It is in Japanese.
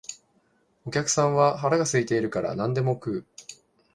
お客さんは腹が空いているから何でも食う